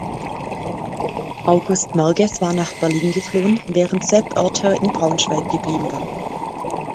August Merges war nach Berlin geflohen, während Sepp Oerter in Braunschweig geblieben war.